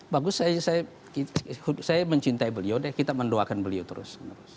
bagus saya mencintai beliau dan kita mendoakan beliau terus